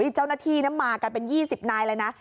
เจ้าหน้าที่น่ะมากันเป็นยี่สิบนายเลยนะ